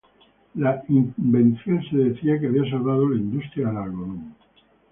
La invención se decía que había "salvado la industria del algodón".